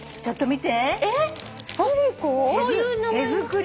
ちょっと見て。